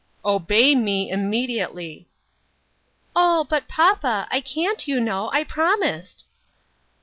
" Obey me immediately !"" Oh ! but, papa, I can't, you know ; I promised."